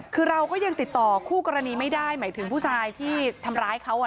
คือเราก็ยังติดต่อคู่กรณีไม่ได้หมายถึงผู้ชายที่ทำร้ายเขา